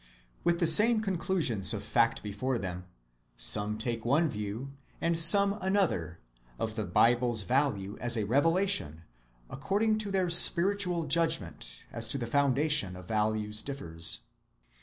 With the same conclusions of fact before them, some take one view, and some another, of the Bible's value as a revelation, according as their spiritual judgment as to the foundation of values differs.